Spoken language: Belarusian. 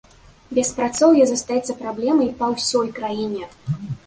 Беспрацоўе застаецца праблемай па ўсёй краіне.